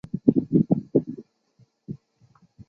虢州弘农县人。